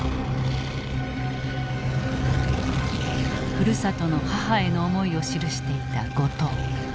ふるさとの母への思いを記していた後藤。